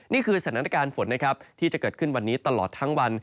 นี่คือสถานการณ์ฝนนะครับที่จะเกิดขึ้นวันนี้ตลอดทั้งวัน